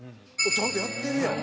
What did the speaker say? ちゃんとやってるやん。